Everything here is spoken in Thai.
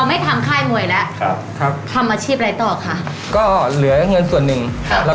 อ่ะแล้วพอเราไม่ทำท่ายมวยแล้ว